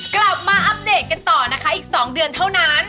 อัปเดตกันต่อนะคะอีก๒เดือนเท่านั้น